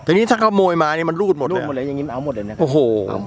แต่นี่จะกระโมยมานี่มันรูดหมดแล้วอ้อโห